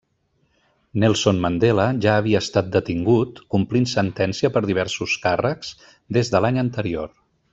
Nelson Mandela ja havia estat detingut, complint sentència per diversos càrrecs, des de l'any anterior.